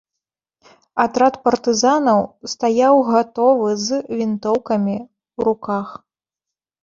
Атрад партызанаў стаяў гатовы, з вінтоўкамі ў руках.